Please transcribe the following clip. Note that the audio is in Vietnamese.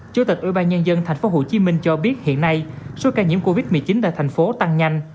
chủ tịch ủy ban nhân dân tp hcm cho biết hiện nay số ca nhiễm covid một mươi chín tại thành phố tăng nhanh